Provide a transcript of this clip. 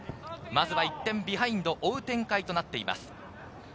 １点ビハインド、追う展開となっています。